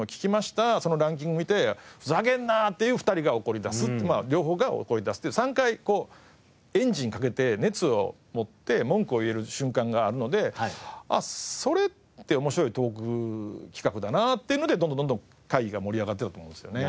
そのランキングを見て「ふざけるな！」っていう２人が怒りだす両方が怒りだすっていう３回エンジンかけて熱を持って文句を言える瞬間があるのでそれって面白いトーク企画だなっていうのでどんどんどんどん会議が盛り上がっていったと思うんですよね。